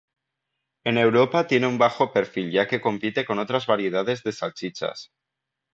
En Europa tiene un bajo perfil ya que compite con otras variedades de salchichas.